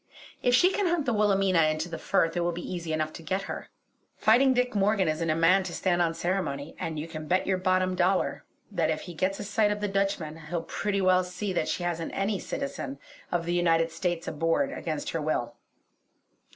If she can hunt the Wilhelmina into the Firth it will be easy enough to get her. "Fighting Dick" Morgan isn't a man to stand on ceremony; and you can bet your bottom dollar that if he gets a sight of the Dutchman he'll pretty well see that she hasn't any citizen of the United States aboard against her will.